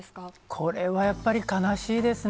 これはやっぱり悲しいですね。